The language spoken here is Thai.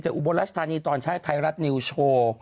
จากอุโบราชธานีตอนช่ายไทรัฐนิวโชว์